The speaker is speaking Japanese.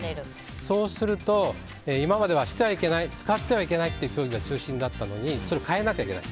そうすると今まではしてはいけない使ってはいけない教育が中心だったのにそれを変えなきゃいけない。